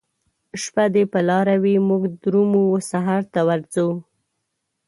شپه دي په لاره وي موږ درومو وسحرته ورځو